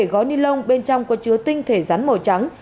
bảy gói ni lông bên trong có chứa tinh thể rắn màu trắng